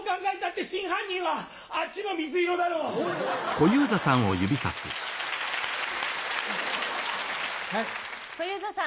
小遊三さん。